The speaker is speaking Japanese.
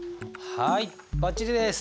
はいばっちりです。